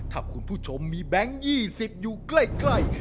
ถ้าคุณผู้ชมมีแบงค์๒๐อยู่ใกล้